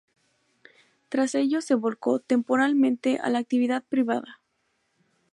Tras ello se volcó temporalmente a la actividad privada.